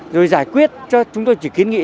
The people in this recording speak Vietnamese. rồi giải quyết cho chúng tôi chỉ kiến nghị